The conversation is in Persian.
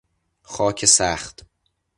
خاک سخت